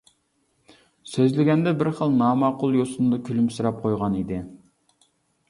سۆزلىگەندە بىر خىل ناماقۇل يوسۇندا كۈلۈمسىرەپ قويغان ئىدى.